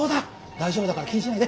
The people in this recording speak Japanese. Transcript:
大丈夫だから気にしないで。